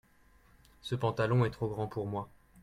ce pantalon est trop grand pour moi.